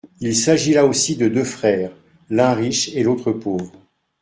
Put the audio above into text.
Il s'agit là aussi de deux frères, l'un riche et l'autre pauvre.